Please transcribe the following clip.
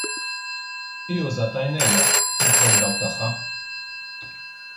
Hi użat għajnejja minflok dawk tagħha!